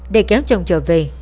để kéo chồng trở về